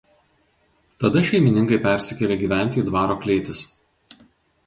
Tada šeimininkai persikėlė gyventi į dvaro klėtis.